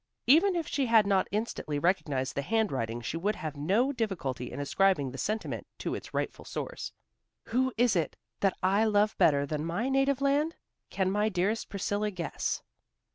Even if she had not instantly recognized the handwriting she would have had no difficulty in ascribing the sentiment to its rightful source. "Who is it that I love better than my native land? Can my dearest Priscilla guess?"